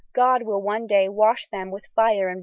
God will one day wash them with fire and brimstone."